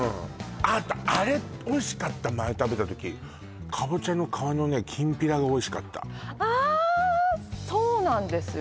あとあれおいしかった前食べた時カボチャの皮のねきんぴらがおいしかったそうなんですよ